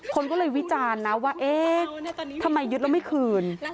คนก็เลยวิจารณ์นะว่าเอ๊ะทำไมยึดแล้วไม่คืน